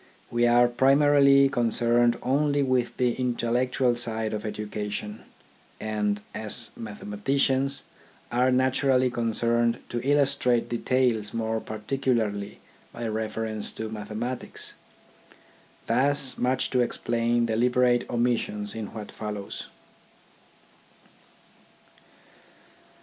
We are primarily concerned only with the intellectual side of education, and, as mathematicians, are naturally concerned to illustrate details more particularly by reference to mathematics. Thus much to explain deliberate omissions in what follows.